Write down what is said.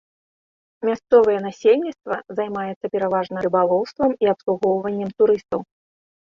Мясцовае насельніцтва займаецца пераважна рыбалоўствам і абслугоўваннем турыстаў.